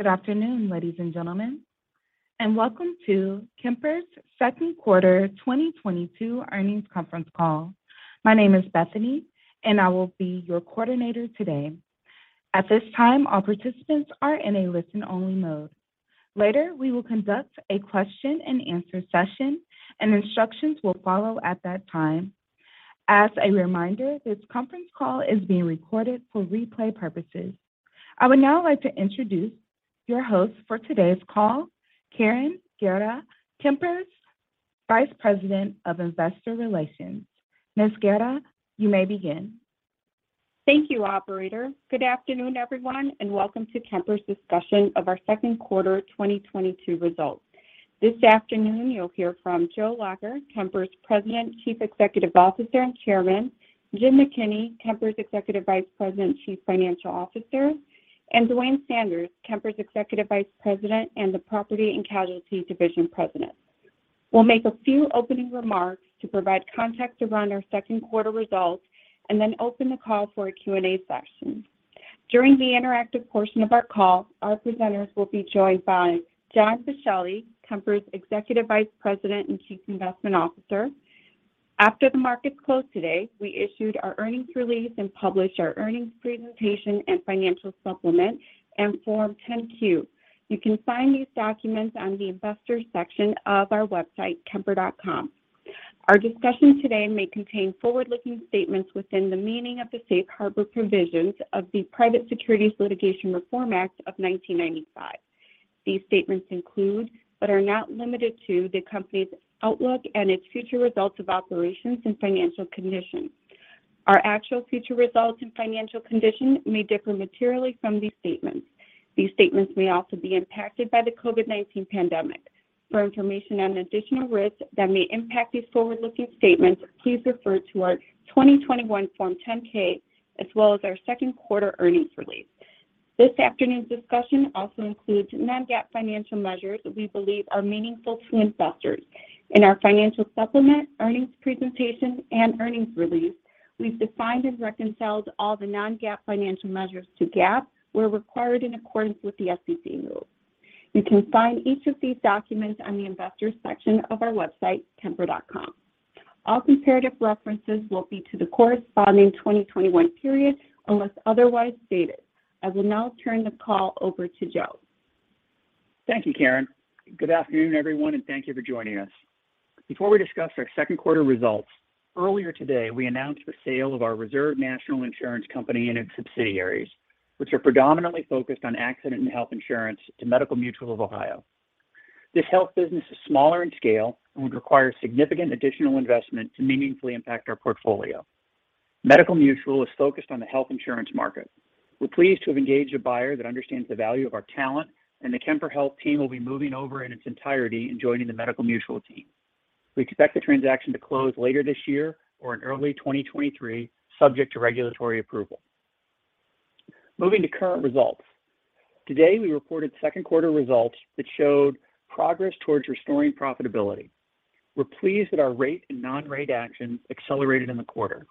Good afternoon, ladies and gentlemen, and welcome to Kemper's second quarter 2022 earnings conference call. My name is Bethany, and I will be your coordinator today. At this time, all participants are in a listen-only mode. Later, we will conduct a question and answer session, and instructions will follow at that time. As a reminder, this conference call is being recorded for replay purposes. I would now like to introduce your host for today's call, Karen Guerra, Kemper's Vice President of Investor Relations. Ms. Guerra, you may begin. Thank you, operator. Good afternoon, everyone, and welcome to Kemper's discussion of our second quarter 2022 results. This afternoon, you'll hear from Joseph Lacher, Kemper's President, Chief Executive Officer, and Chairman, James McKinney, Kemper's Executive Vice President and Chief Financial Officer, and Duane Sanders, Kemper's Executive Vice President and the Property and Casualty Division President. We'll make a few opening remarks to provide context around our second quarter results and then open the call for a Q&A session. During the interactive portion of our call, our presenters will be joined by John Boschelli, Kemper's Executive Vice President and Chief Investment Officer. After the market closed today, we issued our earnings release and published our earnings presentation and financial supplement, and Form 10-Q. You can find these documents on the investor section of our website, kemper.com. Our discussion today may contain forward-looking statements within the meaning of the Safe Harbor provisions of the Private Securities Litigation Reform Act of 1995. These statements include, but are not limited to, the company's outlook and its future results of operations and financial condition. Our actual future results and financial condition may differ materially from these statements. These statements may also be impacted by the COVID-19 pandemic. For information on additional risks that may impact these forward-looking statements, please refer to our 2021 Form 10-K, as well as our second quarter earnings release. This afternoon's discussion also includes non-GAAP financial measures we believe are meaningful to investors. In our financial supplement, earnings presentation, and earnings release, we've defined and reconciled all the non-GAAP financial measures to GAAP where required in accordance with the SEC rules. You can find each of these documents on the investor section of our website, kemper.com. All comparative references will be to the corresponding 2021 period unless otherwise stated. I will now turn the call over to Joseph Lacher. Thank you, Karen. Good afternoon, everyone, and thank you for joining us. Before we discuss our second quarter results, earlier today we announced the sale of our Reserve National Insurance Company and its subsidiaries, which are predominantly focused on accident and health insurance to Medical Mutual of Ohio. This health business is smaller in scale and would require significant additional investment to meaningfully impact our portfolio. Medical Mutual is focused on the health insurance market. We're pleased to have engaged a buyer that understands the value of our talent, and the Kemper Health team will be moving over in its entirety and joining the Medical Mutual team. We expect the transaction to close later this year or in early 2023, subject to regulatory approval. Moving to current results. Today, we reported second quarter results that showed progress towards restoring profitability. We're pleased that our rate and non-rate actions accelerated in the quarter.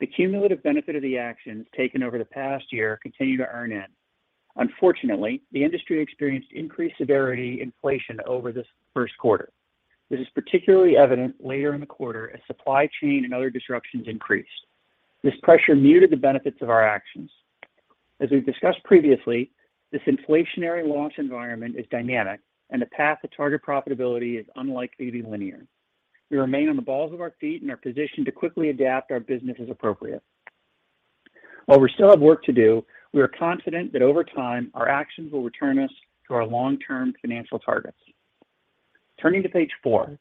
The cumulative benefit of the actions taken over the past year continue to earn in. Unfortunately, the industry experienced increased severity inflation over this first quarter. This is particularly evident later in the quarter as supply chain and other disruptions increased. This pressure muted the benefits of our actions. As we've discussed previously, this inflationary loss environment is dynamic, and the path to target profitability is unlikely to be linear. We remain on the balls of our feet and are positioned to quickly adapt our business as appropriate. While we still have work to do, we are confident that over time, our actions will return us to our long-term financial targets. Turning to page four.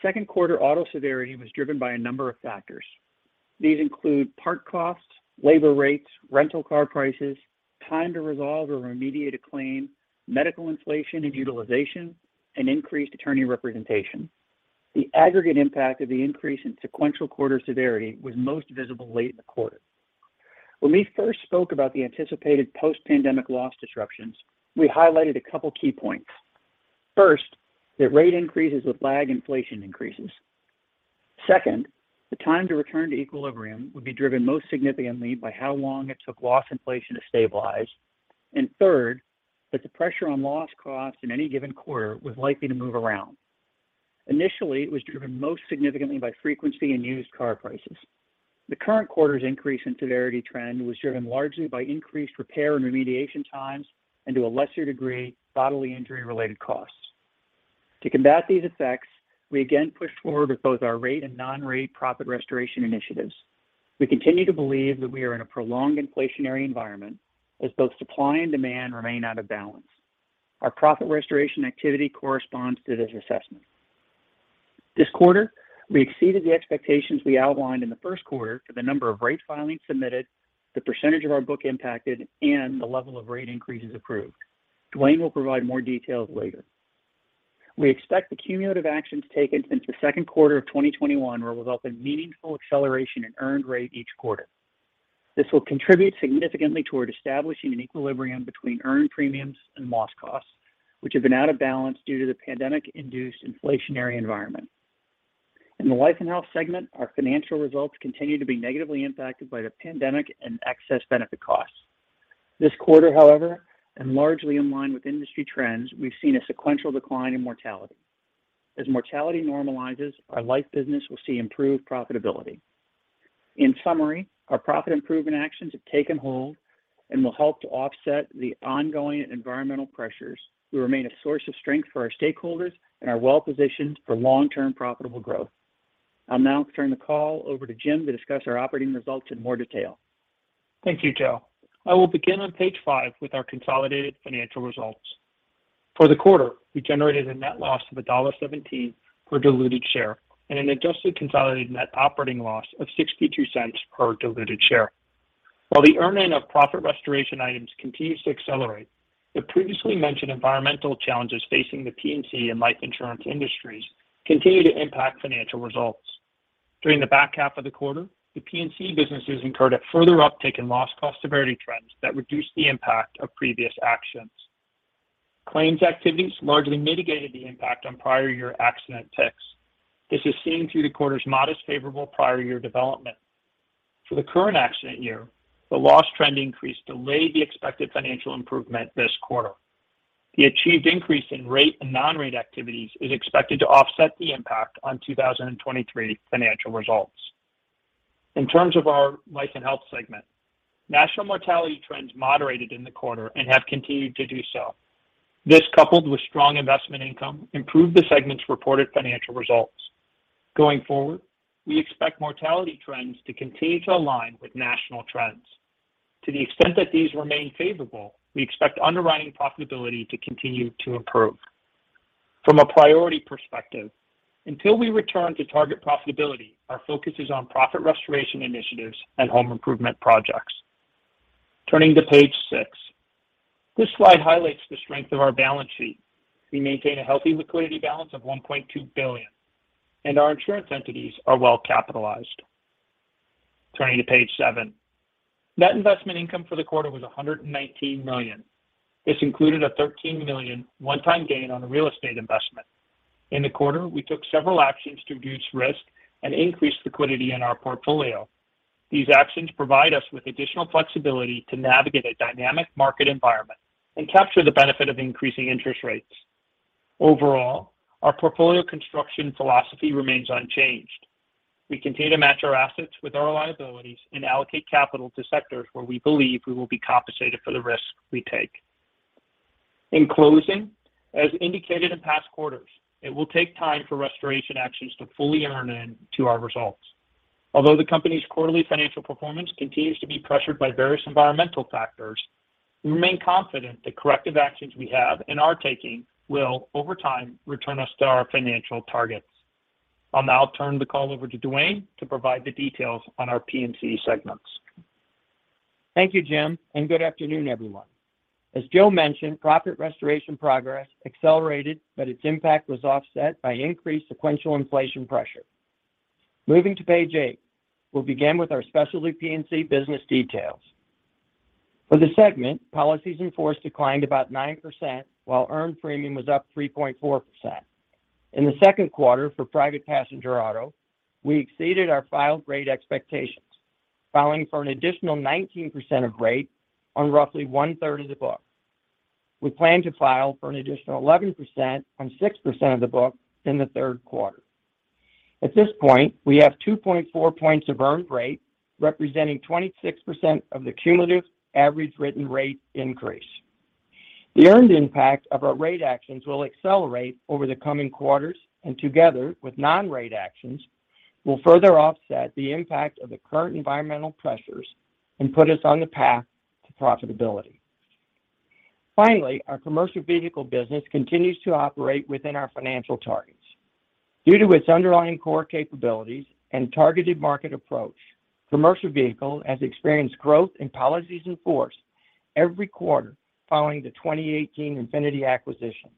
Second quarter auto severity was driven by a number of factors. These include part costs, labor rates, rental car prices, time to resolve or remediate a claim, medical inflation and utilization, and increased attorney representation. The aggregate impact of the increase in sequential quarter severity was most visible late in the quarter. When we first spoke about the anticipated post-pandemic loss disruptions, we highlighted a couple key points. First, that rate increases would lag inflation increases. Second, the time to return to equilibrium would be driven most significantly by how long it took loss inflation to stabilize. Third, that the pressure on loss costs in any given quarter was likely to move around. Initially, it was driven most significantly by frequency and used car prices. The current quarter's increase in severity trend was driven largely by increased repair and remediation times and, to a lesser degree, bodily injury-related costs. To combat these effects, we again pushed forward with both our rate and non-rate profit restoration initiatives. We continue to believe that we are in a prolonged inflationary environment as both supply and demand remain out of balance. Our profit restoration activity corresponds to this assessment. This quarter, we exceeded the expectations we outlined in the first quarter for the number of rate filings submitted, the percentage of our book impacted, and the level of rate increases approved. Duane will provide more details later. We expect the cumulative actions taken since the second quarter of 2021 will result in meaningful acceleration in earned rate each quarter. This will contribute significantly toward establishing an equilibrium between earned premiums and loss costs, which have been out of balance due to the pandemic-induced inflationary environment. In the life and health segment, our financial results continue to be negatively impacted by the pandemic and excess benefit costs. This quarter, however, and largely in line with industry trends, we've seen a sequential decline in mortality. As mortality normalizes, our life business will see improved profitability. In summary, our profit improvement actions have taken hold and will help to offset the ongoing environmental pressures. We remain a source of strength for our stakeholders and are well-positioned for long-term profitable growth. I'll now turn the call over to James to discuss our operating results in more detail. Thank you, Joseph. I will begin on page five with our consolidated financial results. For the quarter, we generated a net loss of $1.17 per diluted share and an adjusted consolidated net operating loss of $0.62 per diluted share. While the earnings of profit restoration items continues to accelerate, the previously mentioned environmental challenges facing the P&C and life insurance industries continue to impact financial results. During the back half of the quarter, the P&C businesses incurred a further uptick in loss cost severity trends that reduced the impact of previous actions. Claims activities largely mitigated the impact on prior year accident year. This is seen through the quarter's modest favorable prior year development. For the current accident year, the loss trend increase delayed the expected financial improvement this quarter. The achieved increase in rate and non-rate activities is expected to offset the impact on 2023 financial results. In terms of our Life and Health segment, national mortality trends moderated in the quarter and have continued to do so. This, coupled with strong investment income, improved the segment's reported financial results. Going forward, we expect mortality trends to continue to align with national trends. To the extent that these remain favorable, we expect underwriting profitability to continue to improve. From a priority perspective, until we return to target profitability, our focus is on profit restoration initiatives and home improvement projects. Turning to page six. This slide highlights the strength of our balance sheet. We maintain a healthy liquidity balance of $1.2 billion, and our insurance entities are well-capitalized. Turning to page seven. Net investment income for the quarter was $119 million. This included a $13 million one-time gain on a real estate investment. In the quarter, we took several actions to reduce risk and increase liquidity in our portfolio. These actions provide us with additional flexibility to navigate a dynamic market environment and capture the benefit of increasing interest rates. Overall, our portfolio construction philosophy remains unchanged. We continue to match our assets with our liabilities and allocate capital to sectors where we believe we will be compensated for the risk we take. In closing, as indicated in past quarters, it will take time for restoration actions to fully earn in to our results. Although the company's quarterly financial performance continues to be pressured by various environmental factors, we remain confident the corrective actions we have and are taking will, over time, return us to our financial targets. I'll now turn the call over to Duane to provide the details on our P&C segments. Thank you, James, and good afternoon, everyone. As Joseph mentioned, profit restoration progress accelerated, but its impact was offset by increased sequential inflation pressure. Moving to page eight, we'll begin with our Specialty P&C business details. For the segment, policies in force declined about 9%, while earned premium was up 3.4%. In the second quarter for Private Passenger Auto, we exceeded our filed rate expectations, filing for an additional 19% of rate on roughly 1/3 of the book. We plan to file for an additional 11% on 6% of the book in the third quarter. At this point, we have 2.4 points of earned rate, representing 26% of the cumulative average written rate increase. The earned impact of our rate actions will accelerate over the coming quarters, and together with non-rate actions, will further offset the impact of the current environmental pressures and put us on the path to profitability. Our commercial vehicle business continues to operate within our financial targets. Due to its underlying core capabilities and targeted market approach, Commercial Vehicle has experienced growth in policies in force every quarter following the 2018 Infinity acquisition.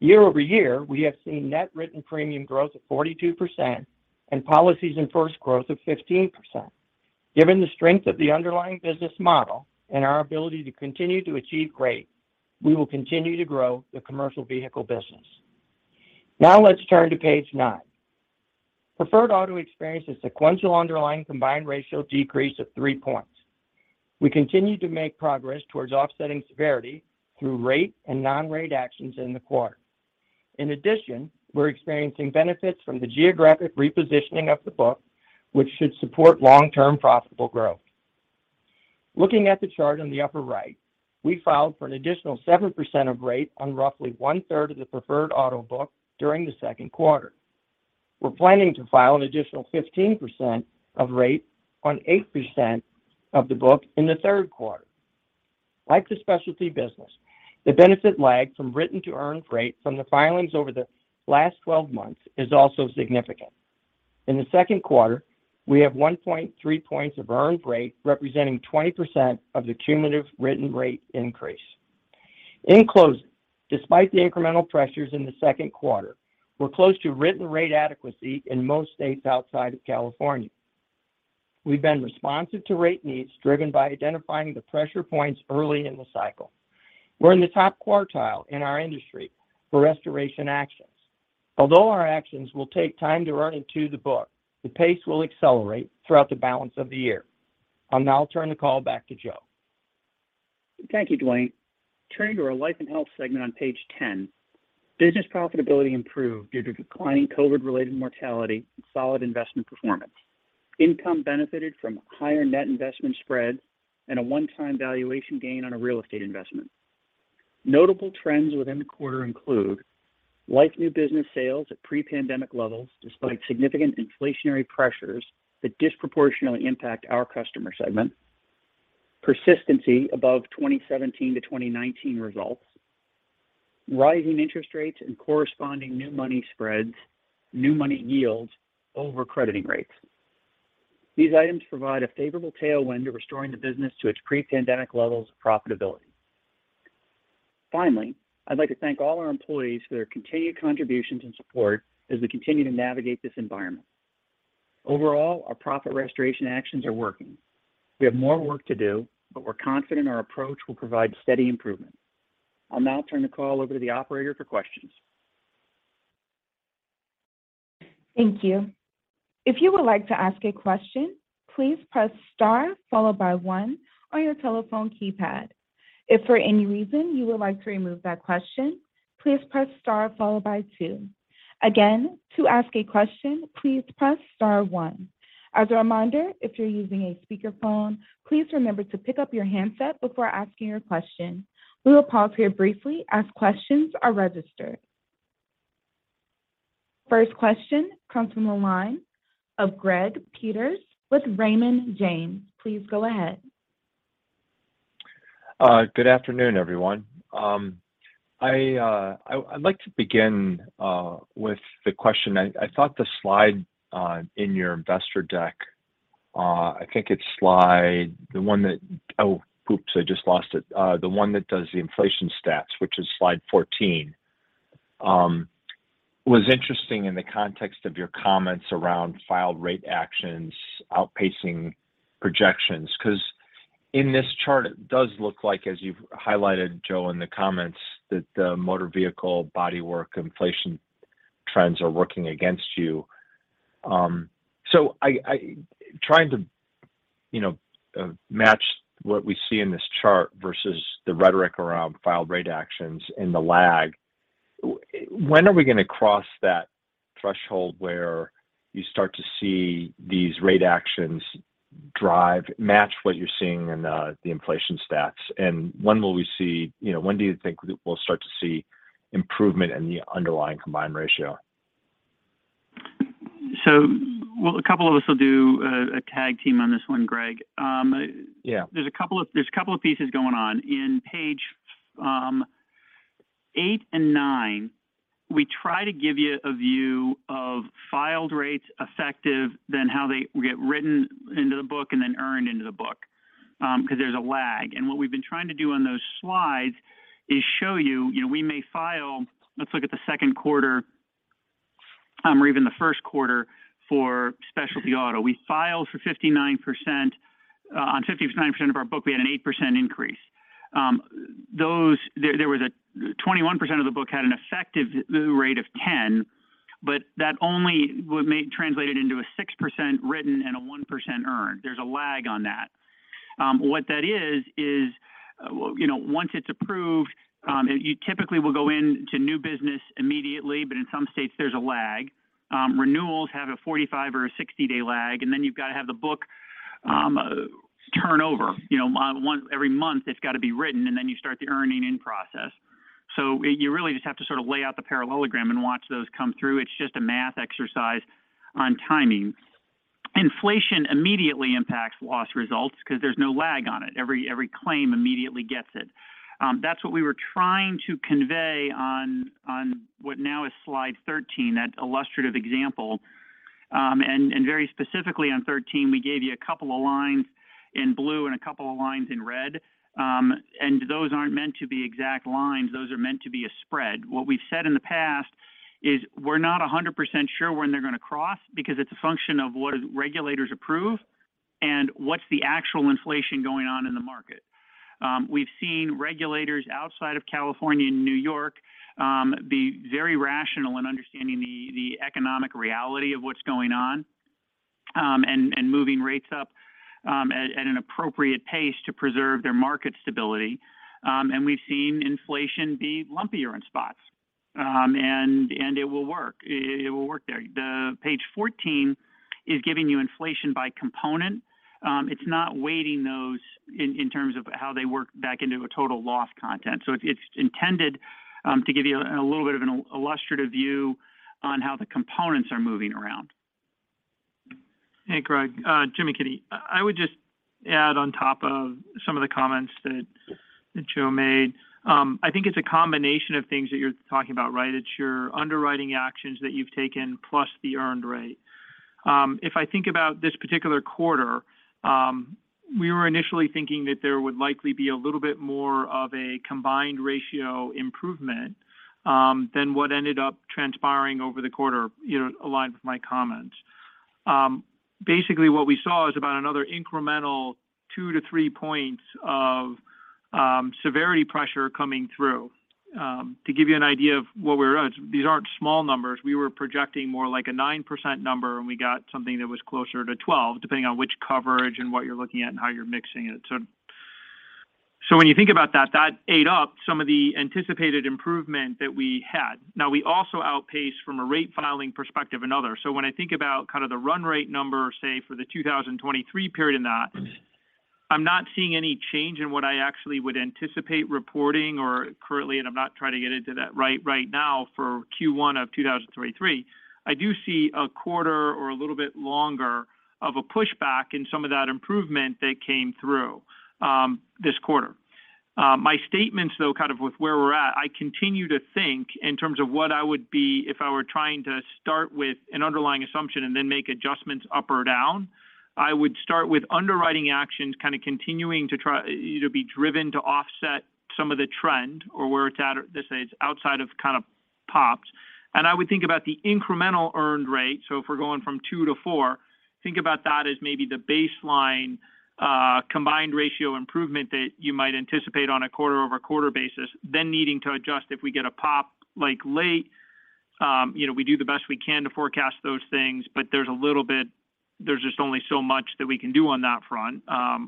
Year-over-year, we have seen net written premium growth of 42% and policies in force growth of 15%. Given the strength of the underlying business model and our ability to continue to achieve rate, we will continue to grow the Commercial Vehicle business. Now let's turn to page nine. Preferred Auto experienced a sequential underlying combined ratio decrease of 3 points. We continue to make progress towards offsetting severity through rate and non-rate actions in the quarter. In addition, we're experiencing benefits from the geographic repositioning of the book, which should support long-term profitable growth. Looking at the chart on the upper right, we filed for an additional 7% of rate on roughly 1/3 of the Preferred Auto book during the second quarter. We're planning to file an additional 15% of rate on 8% of the book in the third quarter. Like the specialty business, the benefit lag from written to earned rate from the filings over the last 12 months is also significant. In the second quarter, we have 1.3 points of earned rate, representing 20% of the cumulative written rate increase. In closing, despite the incremental pressures in the second quarter, we're close to written rate adequacy in most states outside of California. We've been responsive to rate needs, driven by identifying the pressure points early in the cycle. We're in the top quartile in our industry for restoration actions. Although our actions will take time to earn into the book, the pace will accelerate throughout the balance of the year. I'll now turn the call back to Joseph. Thank you, Duane. Turning to our Life & Health segment on page 10, business profitability improved due to declining COVID-related mortality and solid investment performance. Income benefited from higher net investment spread and a one-time valuation gain on a real estate investment. Notable trends within the quarter include life new business sales at pre-pandemic levels despite significant inflationary pressures that disproportionately impact our customer segment, persistency above 2017 to 2019 results, rising interest rates and corresponding new money spreads, new money yields over crediting rates. These items provide a favorable tailwind to restoring the business to its pre-pandemic levels of profitability. Finally, I'd like to thank all our employees for their continued contributions and support as we continue to navigate this environment. Overall, our profit restoration actions are working. We have more work to do, but we're confident our approach will provide steady improvement. I'll now turn the call over to the operator for questions. Thank you. If you would like to ask a question, please press star followed by one on your telephone keypad. If for any reason you would like to remove that question, please press star followed by two. Again, to ask a question, please press star one. As a reminder, if you're using a speakerphone, please remember to pick up your handset before asking your question. We will pause here briefly as questions are registered. First question comes from the line of Gregory Peters with Raymond James. Please go ahead. Good afternoon, everyone. I'd like to begin with the question. I thought the slide in your investor deck, the one that does the inflation stats, which is slide 14, was interesting in the context of your comments around filed rate actions outpacing projections. 'Cause in this chart, it does look like, as you've highlighted, Joseph, in the comments, that the motor vehicle body work inflation trends are working against you. Trying to, you know, match what we see in this chart versus the rhetoric around filed rate actions and the lag, when are we going to cross that threshold where you start to see these rate actions drive, match what you're seeing in the inflation stats? When will we see, you know, when do you think we'll start to see improvement in the underlying combined ratio? Well, a couple of us will do a tag team on this one, Gregory. Yeah. There's a couple of pieces going on. On page eight and nine, we try to give you a view of filed rates effective, then how they get written into the book and then earned into the book, 'cause there's a lag. What we've been trying to do on those slides is show you know, we may file, let's look at the second quarter or even the first quarter for Specialty Auto. We filed for 59%. On 59% of our book, we had an 8% increase. 21% of the book had an effective rate of 10, but that only would translate into a 6% written and a 1% earned. There's a lag on that. What that is is, well, you know, once it's approved, you typically will go into new business immediately, but in some states there's a lag. Renewals have a 45- or 60-day lag, and then you've got to have the book turnover. You know, every month it's got to be written, and then you start the earning in process. So you really just have to sort of lay out the parallelogram and watch those come through. It's just a math exercise on timing. Inflation immediately impacts loss results 'cause there's no lag on it. Every claim immediately gets it. That's what we were trying to convey on what now is slide 13, that illustrative example. Very specifically on 13, we gave you a couple of lines in blue and a couple of lines in red. Those aren't meant to be exact lines. Those are meant to be a spread. What we've said in the past is we're not 100% sure when they're gonna cross because it's a function of what do regulators approve and what's the actual inflation going on in the market. We've seen regulators outside of California and New York be very rational in understanding the economic reality of what's going on, and moving rates up at an appropriate pace to preserve their market stability. We've seen inflation be lumpier in spots. It will work. It will work there. The page 14 is giving you inflation by component. It's not weighting those in terms of how they work back into a total loss content. It's intended to give you a little bit of an illustrative view on how the components are moving around. Hey, Gregory. James McKinney. I would just add on top of some of the comments that Joseph made. I think it's a combination of things that you're talking about, right? It's your underwriting actions that you've taken plus the earned rate. If I think about this particular quarter, we were initially thinking that there would likely be a little bit more of a combined ratio improvement than what ended up transpiring over the quarter, you know, aligned with my comment. Basically what we saw is about another incremental 2-3 points of severity pressure coming through. To give you an idea. These aren't small numbers. We were projecting more like a 9% number, and we got something that was closer to 12, depending on which coverage and what you're looking at and how you're mixing it. So when you think about that ate up some of the anticipated improvement that we had. Now, we also outpaced from a rate filing perspective another. When I think about kind of the run rate number, say, for the 2023 period and that, I'm not seeing any change in what I actually would anticipate reporting or currently, and I'm not trying to get into that right now for Q1 of 2023. I do see a quarter or a little bit longer of a pushback in some of that improvement that came through this quarter. My statements, though, kind of with where we're at, I continue to think in terms of what I would be if I were trying to start with an underlying assumption and then make adjustments up or down. I would start with underwriting actions kind of continuing to try, you know, be driven to offset some of the trend or where it's at, let's say it's outside of kind of pops. I would think about the incremental earned rate, so if we're going from 2-4, think about that as maybe the baseline combined ratio improvement that you might anticipate on a quarter-over-quarter basis, then needing to adjust if we get a pop like late. You know, we do the best we can to forecast those things, but there's a little bit. There's just only so much that we can do on that front.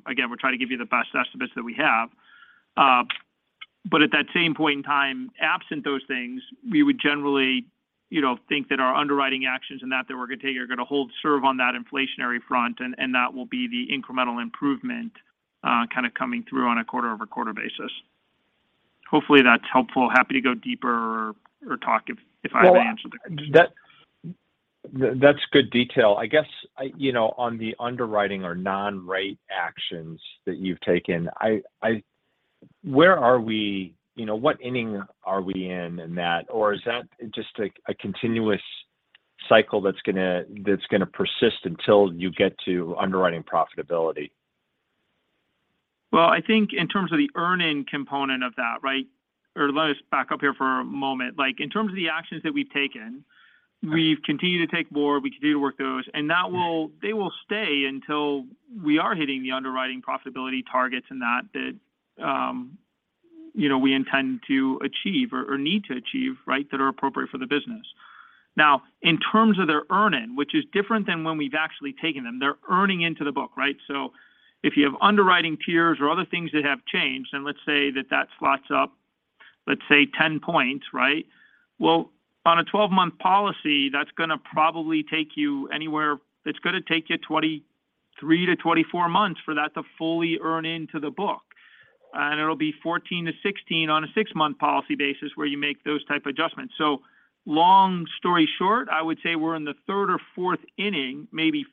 Again, we're trying to give you the best estimates that we have. But at that same point in time, absent those things, we would generally, you know, think that our underwriting actions and that we're gonna take are gonna hold serve on that inflationary front, and that will be the incremental improvement kind of coming through on a quarter-over-quarter basis. Hopefully, that's helpful. Happy to go deeper or talk if I haven't answered the question. Well, that's good detail. I guess, you know, on the underwriting or non-rate actions that you've taken, where are we? You know, what inning are we in that? Or is that just a continuous cycle that's gonna persist until you get to underwriting profitability? Well, I think in terms of the earning component of that, right? Or let us back up here for a moment. Like, in terms of the actions that we've taken, we've continued to take more, we continue to work those, and they will stay until we are hitting the underwriting profitability targets and that, you know, we intend to achieve or need to achieve, right, that are appropriate for the business. Now, in terms of their earning, which is different than when we've actually taken them, they're earning into the book, right? So if you have underwriting loss or other things that have changed, and let's say that loss up, let's say 10 points, right? Well, on a 12-month policy, that's gonna probably take you anywhere. It's gonna take you 23-24 months for that to fully earn into the book. It'll be 14-16 on a six-month policy basis where you make those type of adjustments. Long story short, I would say we're in the third or fourth inning, maybe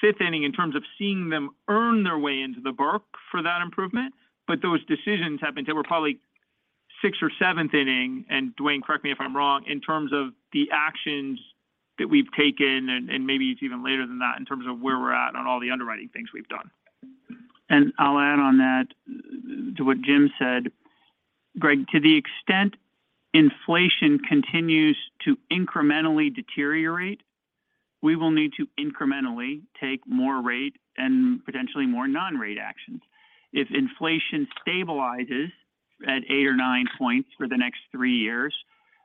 fifth inning, in terms of seeing them earn their way into the book for that improvement. Those decisions have been. We're probably sixth or seventh inning, and Duane, correct me if I'm wrong, in terms of the actions that we've taken, and maybe it's even later than that in terms of where we're at on all the underwriting things we've done. I'll add on that to what James said. Gregory, to the extent inflation continues to incrementally deteriorate, we will need to incrementally take more rate and potentially more non-rate actions. If inflation stabilizes at 8% or 9% for the next three years,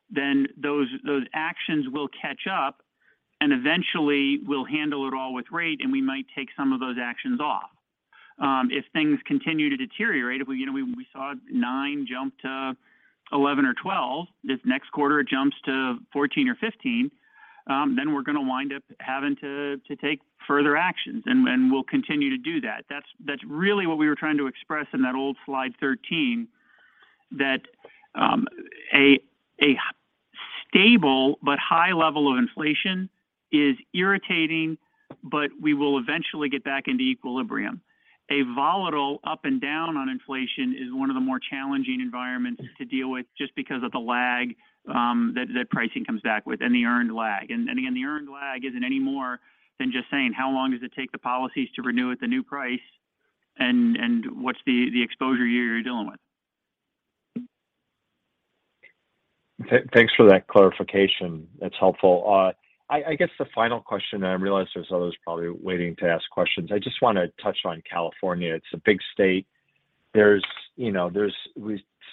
then those actions will catch up, and eventually we'll handle it all with rate, and we might take some of those actions off. If things continue to deteriorate, if we you know saw 9% jump to 11% or 12%, if next quarter it jumps to 14% or 15%, then we're gonna wind up having to take further actions, and we'll continue to do that. That's really what we were trying to express in that old slide 13, that a stable but high level of inflation is irritating, but we will eventually get back into equilibrium. A volatile up and down on inflation is one of the more challenging environments to deal with just because of the lag that pricing comes back with and the earned lag. Again, the earned lag isn't any more than just saying, how long does it take the policies to renew at the new price and what's the exposure year you're dealing with? Thanks for that clarification. That's helpful. I guess the final question, and I realize there's others probably waiting to ask questions. I just wanna touch on California. It's a big state. There's, you know, there's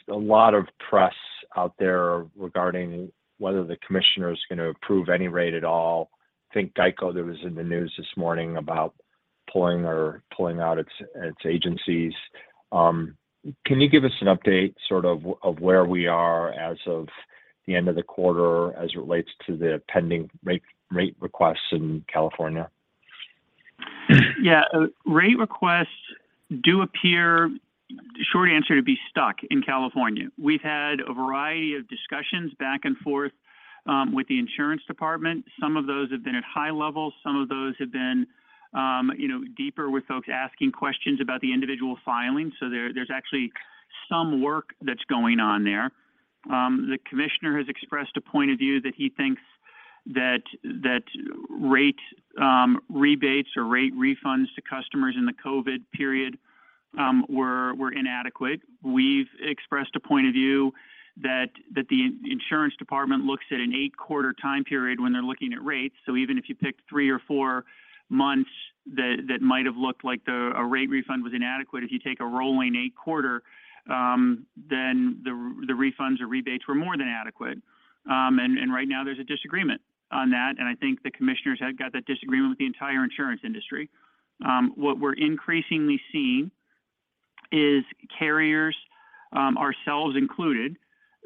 a lot of press out there regarding whether the commissioner is gonna approve any rate at all. I think GEICO that was in the news this morning about pulling out its agencies. Can you give us an update sort of of where we are as of the end of the quarter as it relates to the pending rate requests in California? Yeah. Rate requests do appear, short answer, to be stuck in California. We've had a variety of discussions back and forth with the insurance department. Some of those have been at high levels, some of those have been, you know, deeper with folks asking questions about the individual filing. So there's actually some work that's going on there. The commissioner has expressed a point of view that he thinks that rate rebates or rate refunds to customers in the COVID period were inadequate. We've expressed a point of view that the insurance department looks at an eight-quarter time period when they're looking at rates. Even if you pick three or four months that might have looked like a rate refund was inadequate, if you take a rolling eight-quarter, then the refunds or rebates were more than adequate. Right now there's a disagreement on that, and I think the commissioners have got that disagreement with the entire insurance industry. What we're increasingly seeing is carriers, ourselves included,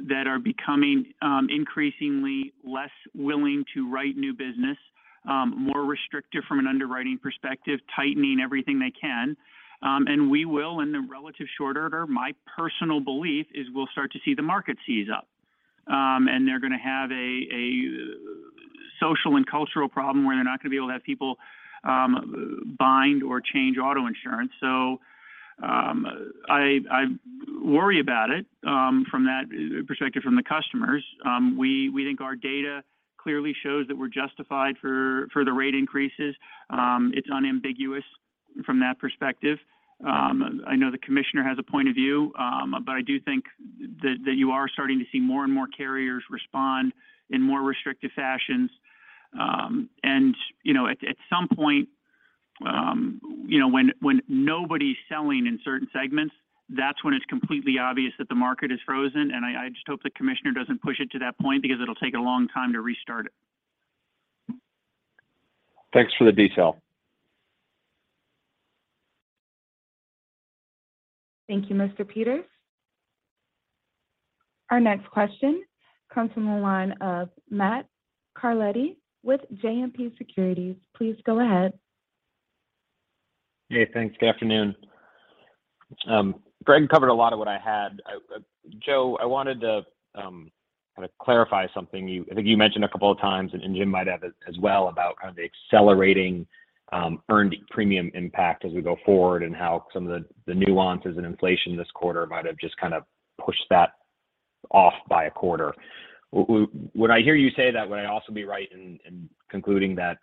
that are becoming increasingly less willing to write new business, more restrictive from an underwriting perspective, tightening everything they can. We will, in the relatively short order, my personal belief is we'll start to see the market seize up. They're gonna have a social and cultural problem where they're not gonna be able to have people bind or change auto insurance. I worry about it from that perspective from the customers. We think our data clearly shows that we're justified for the rate increases. It's unambiguous from that perspective. I know the commissioner has a point of view, but I do think that you are starting to see more and more carriers respond in more restrictive fashions. You know, at some point, you know, when nobody's selling in certain segments, that's when it's completely obvious that the market is frozen. I just hope the commissioner doesn't push it to that point because it'll take a long time to restart it. Thanks for the detail. Thank you, Mr. Peters. Our next question comes from the line of Matt Carletti with JMP Securities. Please go ahead. Hey, thanks. Good afternoon. Gregory covered a lot of what I had. I, Joseph, I wanted to kind of clarify something you, I think you mentioned a couple of times, and James might have as well about kind of the accelerating earned premium impact as we go forward and how some of the nuances in inflation this quarter might have just kind of pushed that off by a quarter. When I hear you say that, would I also be right in concluding that,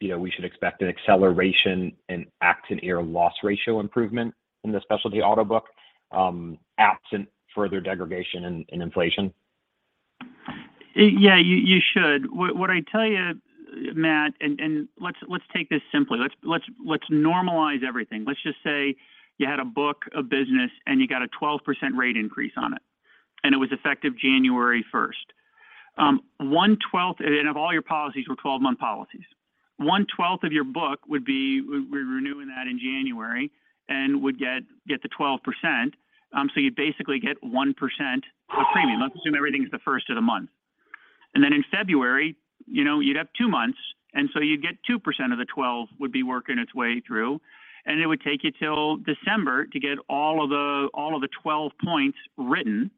you know, we should expect an acceleration in accident year loss ratio improvement in the Specialty Auto book, absent further degradation in inflation? Yeah, you should. What I tell you, Matt, and let's take this simply. Let's normalize everything. Let's just say you had a book of business, and you got a 12% rate increase on it, and it was effective January first. 1/12 of all your policies were 12-month policies. 1/12 of your book would be renewing that in January and would get the 12%. So you basically get 1% of premium. Let's assume everything's the first of the month. Then in February, you know, you'd have two months, and you'd get 2% of the 12 would be working its way through, and it would take you till December to get all of the 12 points written.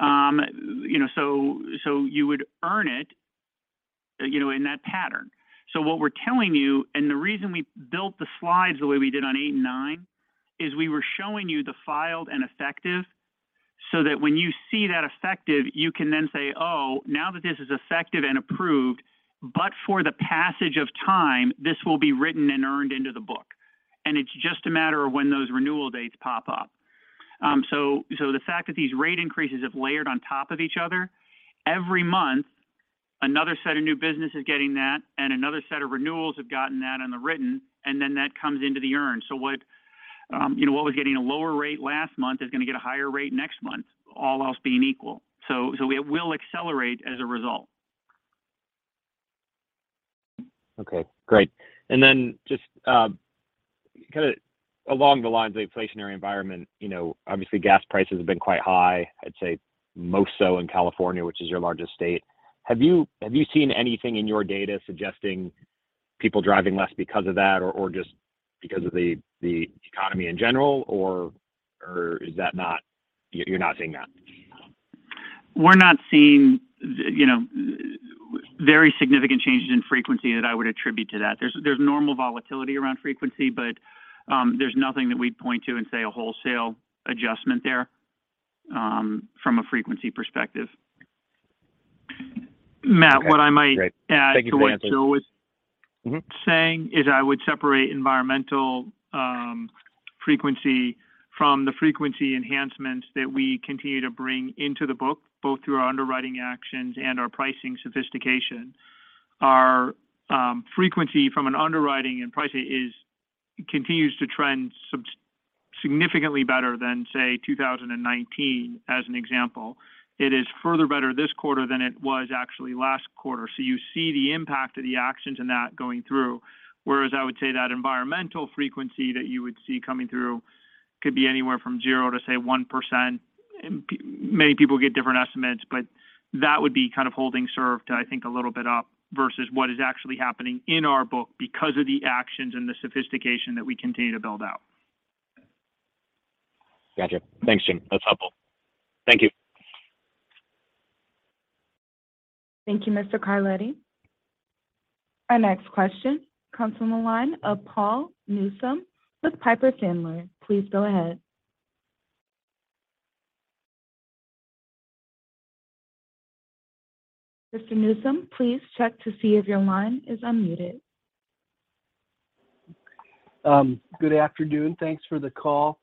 You know, you would earn it, you know, in that pattern. What we're telling you, and the reason we built the slides the way we did on eight and nine, is we were showing you the filed and effective so that when you see that effective, you can then say, "Oh, now that this is effective and approved, but for the passage of time, this will be written and earned into the book." It's just a matter of when those renewal dates pop up. The fact that these rate increases have layered on top of each other, every month, another set of new business is getting that, and another set of renewals have gotten that in the written, and then that comes into the earn. What, you know, what was getting a lower rate last month is gonna get a higher rate next month, all else being equal. It will accelerate as a result. Okay. Great. Just kind of along the lines of the inflationary environment, you know, obviously gas prices have been quite high, I'd say most so in California, which is your largest state. Have you seen anything in your data suggesting people driving less because of that or just because of the economy in general, or is that not. You're not seeing that? We're not seeing, you know, very significant changes in frequency that I would attribute to that. There's normal volatility around frequency, but there's nothing that we'd point to and say a wholesale adjustment there, from a frequency perspective. Okay. Great. Thank you for the answer. Matt, what I might add to what Joseph was. Mm-hmm Saying is I would separate environmental frequency from the frequency enhancements that we continue to bring into the book, both through our underwriting actions and our pricing sophistication. Our frequency from an underwriting and pricing continues to trend significantly better than, say, 2019, as an example. It is further better this quarter than it was actually last quarter. You see the impact of the actions in that going through. Whereas I would say that environmental frequency that you would see coming through could be anywhere from 0% to, say, 1%. Many people get different estimates, but that would be kind of holding steady, I think, a little bit up versus what is actually happening in our book because of the actions and the sophistication that we continue to build out. Gotcha. Thanks, James. That's helpful. Thank you. Thank you, Mr. Carletti. Our next question comes from the line of Paul Newsome with Piper Sandler. Please go ahead. Mr. Newsome, please check to see if your line is unmuted. Good afternoon. Thanks for the call.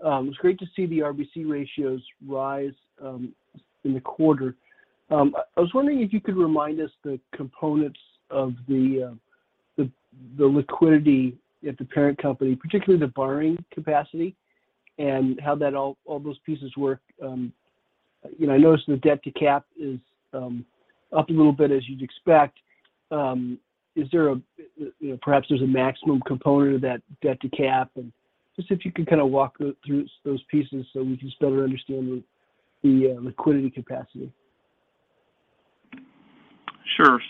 It's great to see the RBC ratios rise in the quarter. I was wondering if you could remind us the components of the liquidity at the parent company, particularly the borrowing capacity and how that all those pieces work. You know, I noticed the debt to cap is up a little bit as you'd expect. Is there a, you know, perhaps there's a maximum component of that debt to cap? Just if you could kind of walk through those pieces so we can start to understand the liquidity capacity. Sure.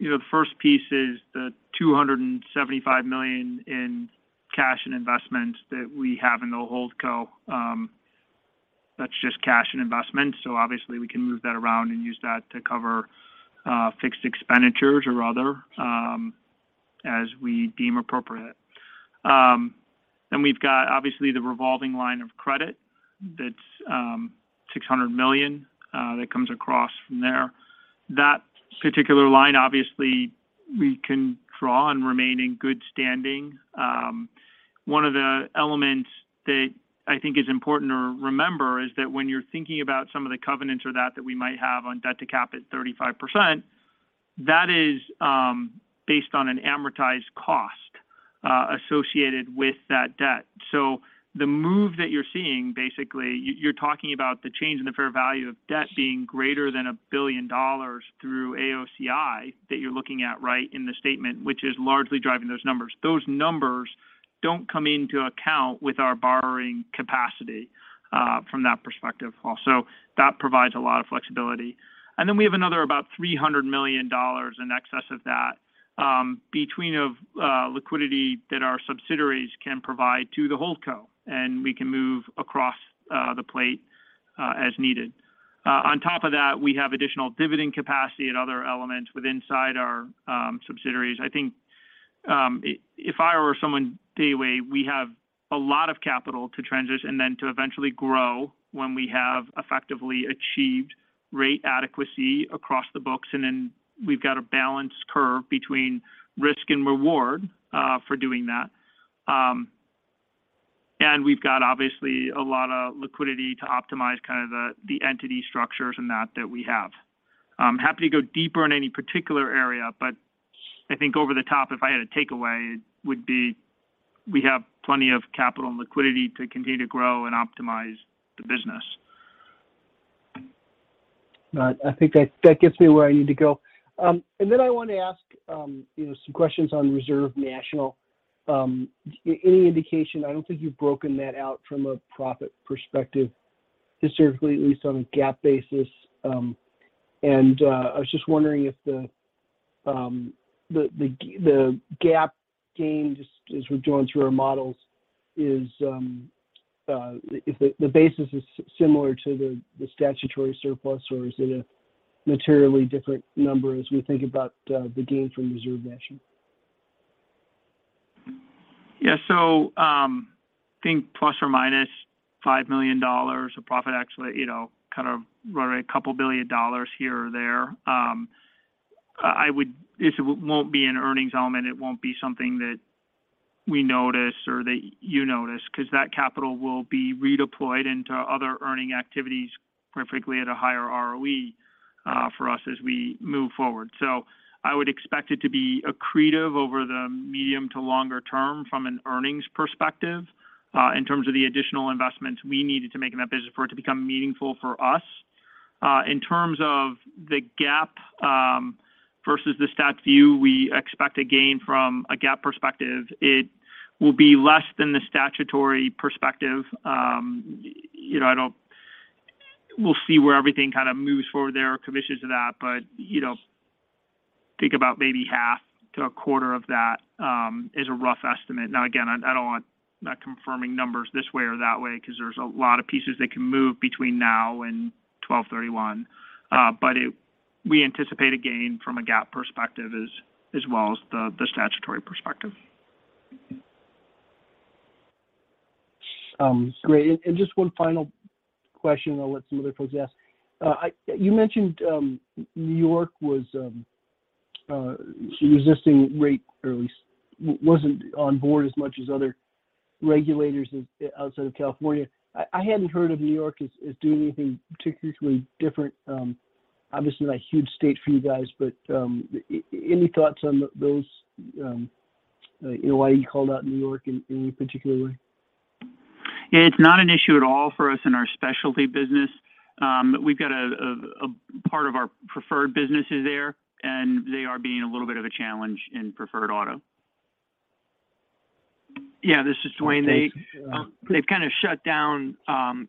You know, the first piece is the $275 million in cash and investments that we have in the holdco. That's just cash and investments, so obviously we can move that around and use that to cover fixed expenditures or other as we deem appropriate. Then we've got obviously the revolving line of credit that's $600 million that comes across from there. That particular line, obviously we can draw and remain in good standing. One of the elements that I think is important to remember is that when you're thinking about some of the covenants or that we might have on debt-to-capital at 35%, that is based on an amortized cost associated with that debt. The move that you're seeing, basically you're talking about the change in the fair value of debt being greater than $1 billion through AOCI that you're looking at right in the statement, which is largely driving those numbers. Those numbers don't come into account with our borrowing capacity from that perspective also. That provides a lot of flexibility. We have another about $300 million in excess of that between liquidity that our subsidiaries can provide to the holdco, and we can move across the plate as needed. On top of that, we have additional dividend capacity and other elements within our subsidiaries. I think, if I were someone a day away, we have a lot of capital to transition and then to eventually grow when we have effectively achieved rate adequacy across the books, and then we've got a balanced curve between risk and reward, for doing that. We've got obviously a lot of liquidity to optimize kind of the entity structures and that we have. I'm happy to go deeper in any particular area, but I think overall, if I had a takeaway, it would be we have plenty of capital and liquidity to continue to grow and optimize the business. All right. I think that gets me where I need to go. I want to ask, you know, some questions on Reserve National. Any indication? I don't think you've broken that out from a profit perspective historically, at least on a GAAP basis. I was just wondering if the basis is similar to the statutory surplus, or is it a materially different number as we think about the gain from Reserve National? Yeah. I think ±$5 million of profit actually, you know, kind of run a couple billion dollars here or there. I won't be an earnings element. It won't be something that we notice or that you notice, because that capital will be redeployed into other earning activities perfectly at a higher ROE for us as we move forward. I would expect it to be accretive over the medium to longer term from an earnings perspective, in terms of the additional investments we needed to make in that business for it to become meaningful for us. In terms of the GAAP versus the statutory view, we expect a gain from a GAAP perspective. It will be less than the statutory perspective. You know, I don't. We'll see where everything kind of moves forward there, commissions of that. You know, think about maybe half to a quarter of that is a rough estimate. Now, again, I don't want to confirm numbers this way or that way because there's a lot of pieces that can move between now and 12/31. We anticipate a gain from a GAAP perspective as well as the statutory perspective. Great. Just one final question, and I'll let some other folks ask. You mentioned New York was resisting rate, or at least wasn't on board as much as other regulators outside of California. I hadn't heard of New York as doing anything particularly different, obviously a huge state for you guys. Any thoughts on those, you know, why you called out New York in any particular way? It's not an issue at all for us in our specialty business. We've got a part of our preferred business is there, and they are being a little bit of a challenge in Preferred Auto. Yeah, this is Duane. Okay. Yeah. They've kind of shut down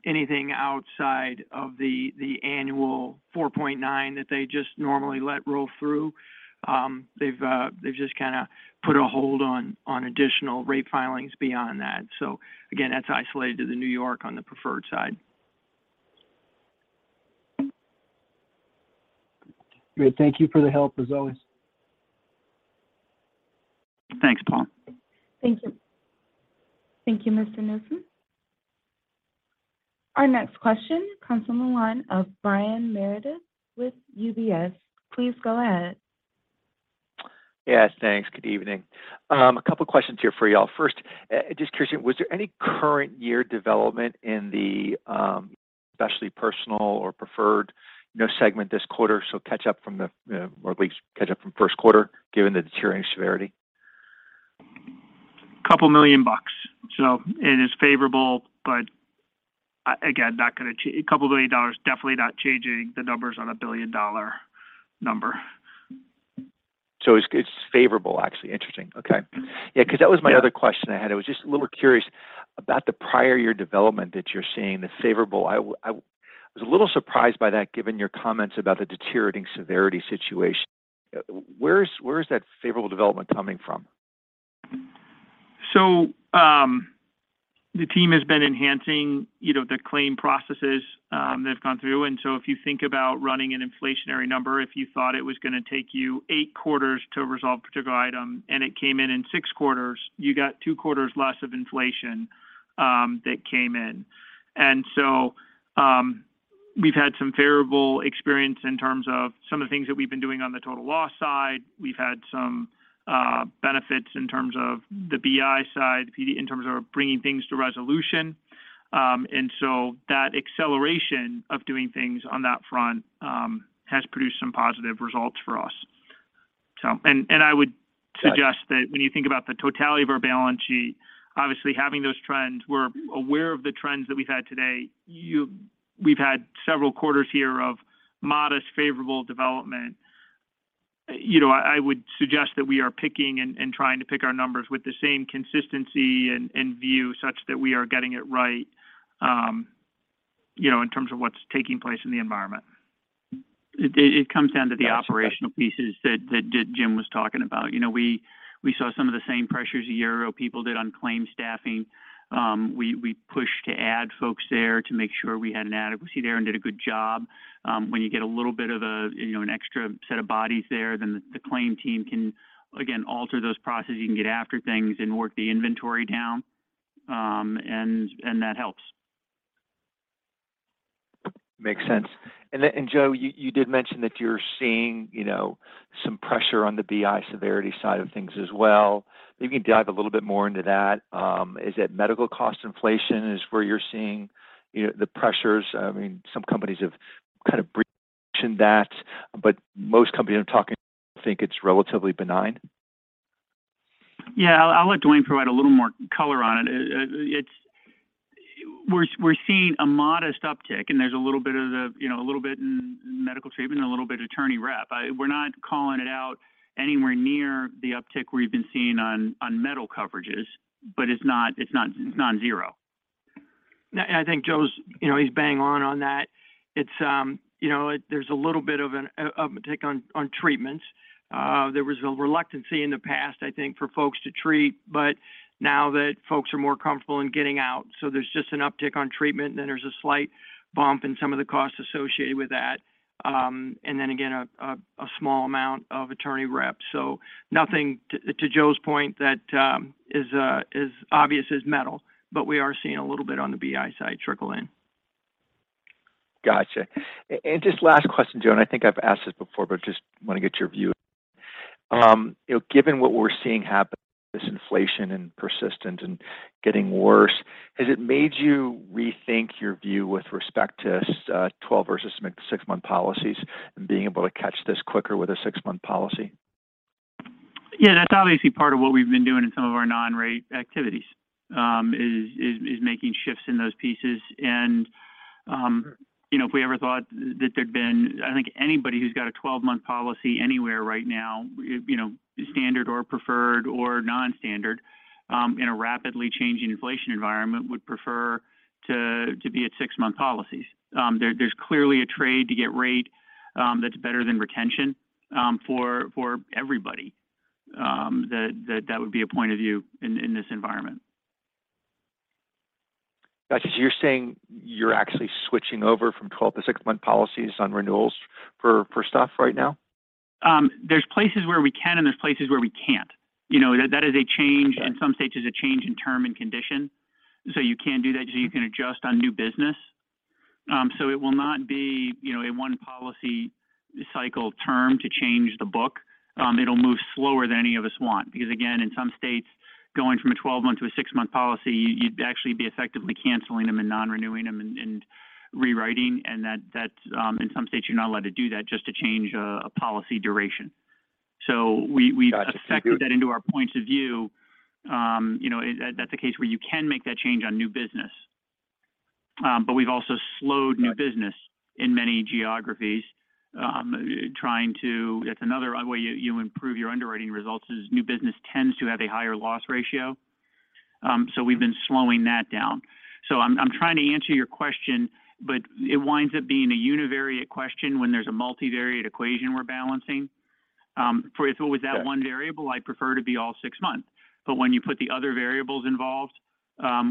anything outside of the annual 4.9% that they just normally let roll through. They've just kinda put a hold on additional rate filings beyond that. Again, that's isolated to New York on the preferred side. Great. Thank you for the help as always. Thanks, Paul. Thank you. Thank you, Mr. Newsome. Our next question comes from the line of Brian Meredith with UBS. Please go ahead. Yes, thanks. Good evening. A couple questions here for y'all. First, just curious, was there any current year development in the, especially personal or preferred, you know, segment this quarter, so catch up from the or at least catch up from first quarter given the deteriorating severity? Couple million. It is favorable, but again, a couple billion dollars, definitely not changing the numbers on a billion-dollar number. It's favorable actually. Interesting. Okay. Yeah, 'cause that was my other question I had. I was just a little curious about the prior year development that you're seeing, the favorable. I was a little surprised by that given your comments about the deteriorating severity situation. Where is that favorable development coming from? The team has been enhancing, you know, the claim processes. They've gone through. If you think about running an inflationary number, if you thought it was gonna take you eight quarters to resolve a particular item and it came in in six quarters, you got two quarters less of inflation that came in. We've had some favorable experience in terms of some of the things that we've been doing on the total loss side. We've had some benefits in terms of the BI side, PD in terms of bringing things to resolution. That acceleration of doing things on that front has produced some positive results for us. I would suggest that when you think about the totality of our balance sheet, obviously having those trends, we're aware of the trends that we've had today. We've had several quarters here of modest favorable development. You know, I would suggest that we are picking and trying to pick our numbers with the same consistency and view such that we are getting it right, you know, in terms of what's taking place in the environment. It comes down to the operational pieces that James was talking about. You know, we saw some of the same pressures a year ago people did on claim staffing. We pushed to add folks there to make sure we had an adequacy there and did a good job. When you get a little bit of a, you know, an extra set of bodies there, then the claim team can again alter those processes. You can get after things and work the inventory down. And that helps. Makes sense. Then Joseph, you did mention that you're seeing, you know, some pressure on the BI severity side of things as well. Maybe you can dive a little bit more into that. Is it medical cost inflation is where you're seeing, you know, the pressures? I mean, some companies have kind of weighed in that, but most companies I'm talking think it's relatively benign. Yeah. I'll let Duane provide a little more color on it. We're seeing a modest uptick and there's a little bit of the, you know, a little bit in medical treatment and a little bit attorney rep. We're not calling it out anywhere near the uptick where you've been seeing on material coverages, but it's not zero. Yeah. I think Joseph's, you know, he's bang on on that. It's, you know, there's a little bit of an uptick on treatments. There was a reluctance in the past, I think, for folks to treat, but now that folks are more comfortable in getting out, so there's just an uptick on treatment, then there's a slight bump in some of the costs associated with that. Then again, a small amount of attorney reps. So nothing to Joseph's point that is obvious as material, but we are seeing a little bit on the BI side trickle in. Gotcha. Just last question, Joseph, and I think I've asked this before, but just wanna get your view. You know, given what we're seeing happen, this inflation and persistent and getting worse, has it made you rethink your view with respect to 12 versus six-month policies and being able to catch this quicker with a six-month policy? Yeah, that's obviously part of what we've been doing in some of our non-rate activities is making shifts in those pieces. You know, I think anybody who's got a 12-month policy anywhere right now, you know, standard or preferred or non-standard, in a rapidly changing inflation environment would prefer to be at six-month policies. There's clearly a trade to get rate that's better than retention for everybody. That would be a point of view in this environment. Gotcha. You're saying you're actually switching over from 12 to six-month policies on renewals for stuff right now? There's places where we can and there's places where we can't. You know, that is a change. Got it. In some states, it's a change in term and condition. You can do that, so you can adjust on new business. It will not be, you know, a one policy cycle term to change the book. It'll move slower than any of us want because, again, in some states, going from a 12-month to a six-month policy, you'd actually be effectively canceling them and non-renewing them and rewriting and that's in some states you're not allowed to do that just to change a policy duration. Gotcha. Affected that into our points of view. You know, that's the case where you can make that change on new business. We've also slowed new business in many geographies. That's another way you improve your underwriting results is new business tends to have a higher loss ratio. We've been slowing that down. I'm trying to answer your question, but it winds up being a univariate question when there's a multivariate equation we're balancing. For if it was that one variable, I'd prefer to be all six months, but when you put the other variables involved,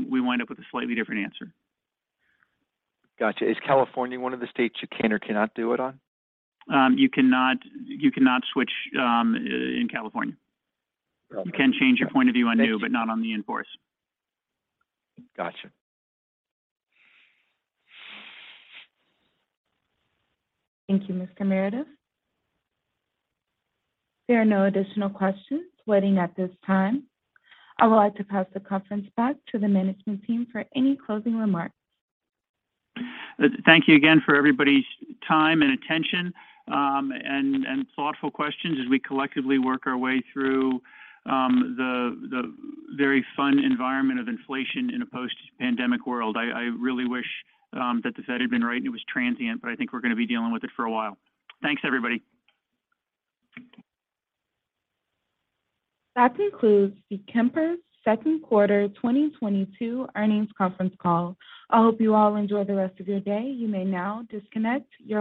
we wind up with a slightly different answer. Gotcha. Is California one of the states you can or cannot do it on? You cannot switch in California. Okay. Got it. You can change your point of view on new, but not on the in-force. Gotcha. Thank you, Mr. Meredith. There are no additional questions waiting at this time. I would like to pass the conference back to the management team for any closing remarks. Thank you again for everybody's time and attention, and thoughtful questions as we collectively work our way through, the very fun environment of inflation in a post-pandemic world. I really wish, that the Fed had been right and it was transient, but I think we're gonna be dealing with it for a while. Thanks, everybody. That concludes the Kemper second quarter 2022 earnings conference call. I hope you all enjoy the rest of your day. You may now disconnect your